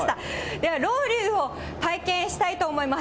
では、ロウリュウを体験したいと思います。